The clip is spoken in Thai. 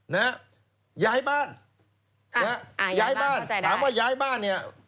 ๒ย้ายบ้านย้ายบ้านถามว่าย้ายบ้านเนี่ย